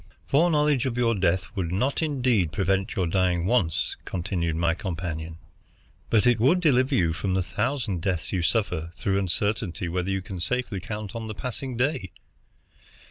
"Foreknowledge of your death would not, indeed, prevent your dying once," continued my companion, "but it would deliver you from the thousand deaths you suffer through uncertainty whether you can safely count on the passing day.